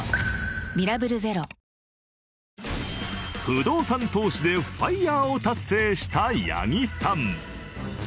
不動産投資でＦＩＲＥを達成した八木さん。